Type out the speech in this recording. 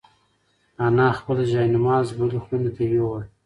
انا خپل جاینماز بلې خونې ته یووړ.